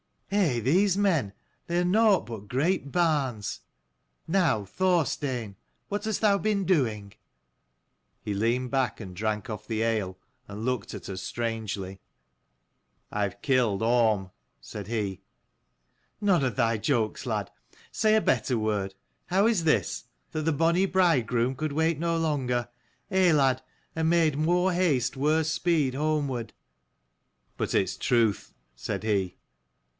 Eh, these men, they are nought but great barns. Now, Thorstein, what hast thou been doing ?" He leaned back and drank off the ale, and looked at her strangely. " I have killed Orm," said he. " None of thy jokes, lad. Say a better word. How is this? That the bonny bridegroom could wait no longer ; eh, lad? and made more haste worse speed homeward ?"" But it's truth," said he.